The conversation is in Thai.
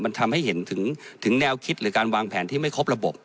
มันทำให้เห็นถึงแนวคิดหรือการวางแผนที่ไม่ครบระบบ